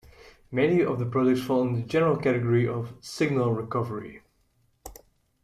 Many of the products fall under the general category of "signal recovery".